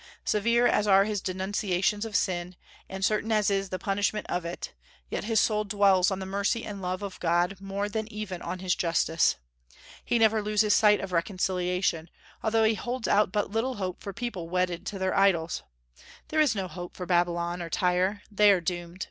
Severe as are his denunciations of sin, and certain as is the punishment of it, yet his soul dwells on the mercy and love of God more than even on His justice. He never loses sight of reconciliation, although he holds out but little hope for people wedded to their idols. There is no hope for Babylon or Tyre; they are doomed.